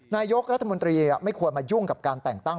นายกรัฐมนตรีไม่ควรมายุ่งกับการแต่งตั้ง